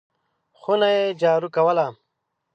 خونه یې جارو کوله !